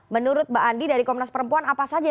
menurut mbak andi dari komnas perempuan